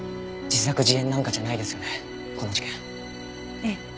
ええ。